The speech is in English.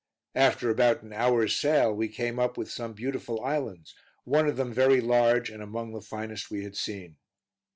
After about an hour's sail we came up with some beautiful islands, one of them very large and among the finest we had seen.